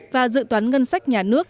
và dự toán ngân sách nhà nước